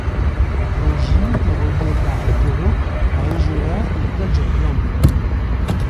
Yeji est reliée par autoroute à Ejura et Kwadjokrom.